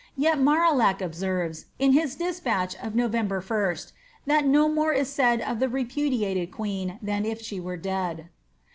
Tet Marillac observes, in his des patch of November 1 st, ^^ that no more is said of the repudiated queen than if she were dead."